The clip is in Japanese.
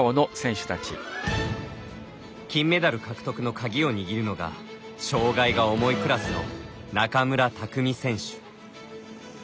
金メダル獲得のカギを握るのが障がいが重いクラスの中村拓海選手。